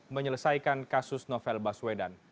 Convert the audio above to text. menyelesaikan kasus novel baswedan